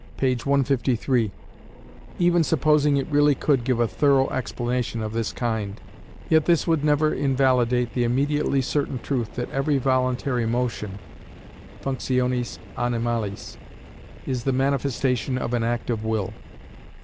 p. 153), even supposing it really could give a thorough explanation of this kind, yet this would never invalidate the immediately certain truth that every voluntary motion (functiones animales) is the manifestation of an act of will.